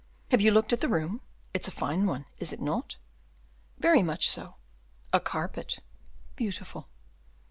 Have you looked at the room? it's a fine one, is it not?" "Very much so." "A carpet " "Beautiful."